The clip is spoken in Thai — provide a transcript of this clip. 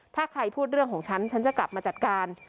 ถ้าใครพูดเรื่องของฉันฉันจะกลับมาจัดการ